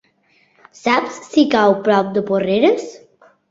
Saps si cau a prop de Porreres?